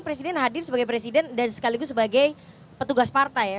presiden hadir sebagai presiden dan sekaligus sebagai petugas partai ya